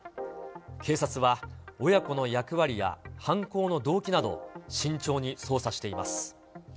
警察は、親子の役割や犯行の動機など、慎重に捜査しています。